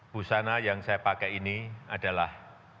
busana yang saya pakai ini adalah